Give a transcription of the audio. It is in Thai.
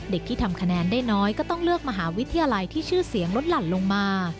เด็กที่ทำคะแนนได้น้อยก็ต้องเลือกมหาวิทยาลัยที่ชื่อเสียงลดหลั่นลงมา